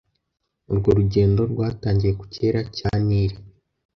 Urwo rugendo rwatangiriye ku cyera cya Nili